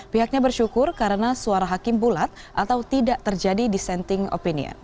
pihaknya bersyukur karena suara hakim bulat atau tidak terjadi dissenting opinion